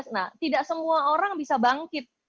nah tidak semua orang bisa bangkit